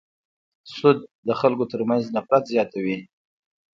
سود د خلکو تر منځ نفرت زیاتوي.